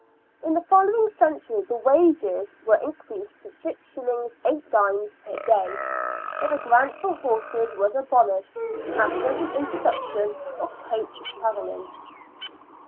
In the following century the " wages " were increased to 6s. 8d. per day, but the grant for horses was abolished after the intro duction of coach travelling.